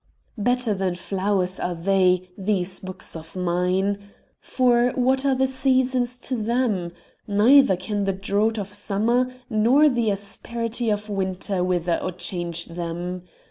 Better than flowers are they, these books of mine! For what are the seasons to them? Neither can the drought of summer nor the asperity of winter wither or change them.